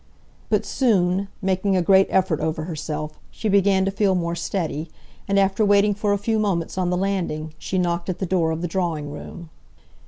But soon, making a great effort over herself, she began to feel more steady; and after waiting for a few moments on the landing, she knocked at the door of the drawing room.